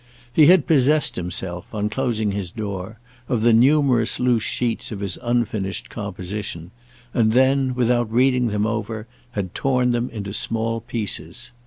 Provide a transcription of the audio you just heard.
He had possessed himself, on closing his door, of the numerous loose sheets of his unfinished composition, and then, without reading them over, had torn them into small pieces.